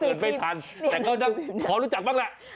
เอ้าเกิดไม่ทันแต่เขาจะขอรู้จักบ้างล่ะ